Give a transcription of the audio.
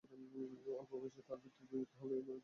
অল্প বয়েসেই তাঁহার পিতৃবিয়োগ হইলে তিনি পাঠশালায় প্রেরিত হন।